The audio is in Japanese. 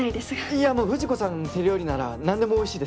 いやもう藤子さんの手料理なら何でもおいしいです。